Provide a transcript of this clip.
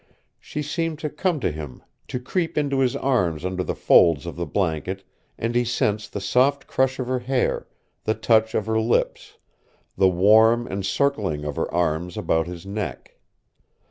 She seemed to come to him, to creep into his arms under the folds of the blanket and he sensed the soft crush of her hair, the touch of her lips, the warm encircling of her arms about his neck.